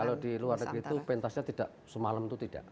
kalau di luar negeri itu pentasnya tidak semalam itu tidak